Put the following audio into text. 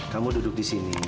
kamu duduk disini